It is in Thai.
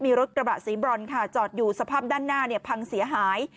มีรถกระบะสีบรอนค่ะจอดอยู่สภาพด้านหน้าพังเสียหาย